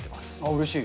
うれしい。